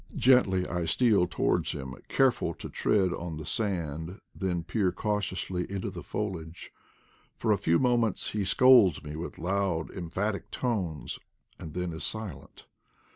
Gently I steal towards him, careful to tread on the sand, then peer cautiously into the foliage. For a few moments he scolds me with loud, emphatic tones,* and then is silent.